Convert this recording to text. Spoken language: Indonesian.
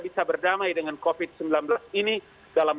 bisa berdamai dengan covid sembilan belas ini dalam